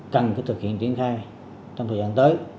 cần thực hiện triển khai trong thời gian tới